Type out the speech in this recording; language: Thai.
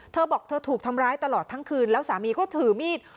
เธอบอกเธอถูกทำร้ายตลอดทั้งคืนแล้วสามีก็ถือมีด